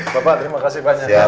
bapak terima kasih banyak